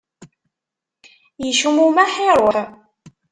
Yecmumeḥ, iruḥ.